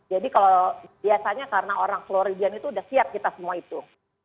jadi kalau biasanya karena orang floridian itu udah siap kita semua itu